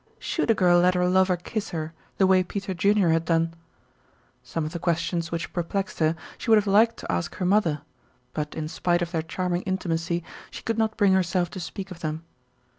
Should a girl let her lover kiss her the way Peter Junior had done? Some of the questions which perplexed her she would have liked to ask her mother, but in spite of their charming intimacy she could not bring herself to speak of them.